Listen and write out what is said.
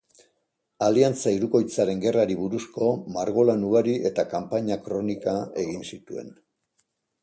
Aliantza Hirukoitzaren Gerrari buruzko margolan ugari eta kanpaina-kronika egin zituen.